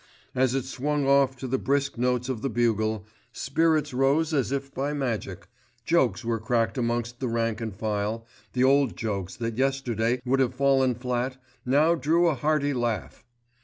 As it swung off to the brisk notes of the bugle, spirits rose as if by magic, jokes were cracked amongst the rank and file, the old jokes that yesterday would have fallen flat now drew a hearty laugh.